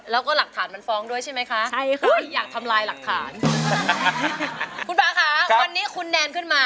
แล้วก็หลักฐานมันฟ้องด้วยใช่ไหมคะใช่ค่ะอยากทำลายหลักฐานคุณป่าค่ะวันนี้คุณแนนขึ้นมา